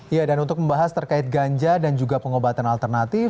ya dan untuk membahas terkait ganja dan juga pengobatan alternatif